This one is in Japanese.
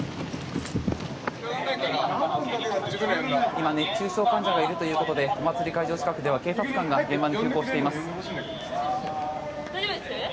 今、熱中症患者がいるということでお祭り会場近くでは警察官が現場に急行しています。